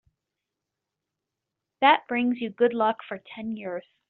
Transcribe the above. That brings you good luck for ten years.